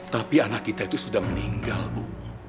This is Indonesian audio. tapi anak kita itu sudah meninggal bu